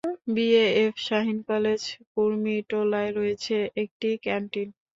B A F Shaheen college কুর্মিটোলায় রয়েছে একটি ক্যান্টিন।